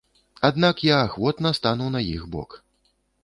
Аднак я ахвотна стану на іх бок!